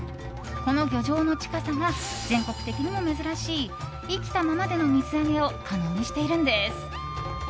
この漁場の近さが全国的にも珍しい生きたままでの水揚げを可能にしているんです。